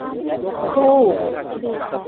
คูล